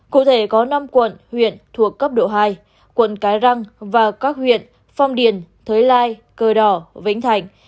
cụ thể có năm quận huyện thuộc cấp độ hai quận cái răng và các huyện phong điền thới lai cơ đỏ vĩnh thạnh